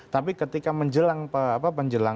tapi ketika menjelang pendaftaran justru saya tidak tahu